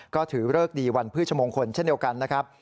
ก็ถือเลิกดีวันพฤชมงคลเช่นเดียวกันนะครับ